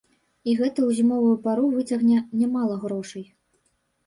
І гэта ў зімовую пару выцягне нямала грошай.